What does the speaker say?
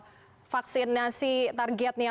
ini vaksinasi targetnya